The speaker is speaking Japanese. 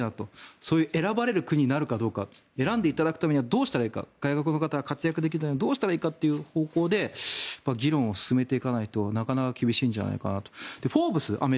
そういう選ばれる国になるかどうか選んでいただくためにはどうすればいいか外国人が活躍していただけるにはどうすればいいのかっていう方向に議論をしていかないと難しいんじゃないかと。